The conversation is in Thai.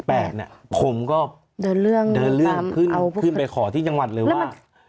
ผมก็เดินเรื่องขึ้นไปขอที่จังหวัดเลยว่า